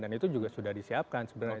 dan itu juga sudah disiapkan sebenarnya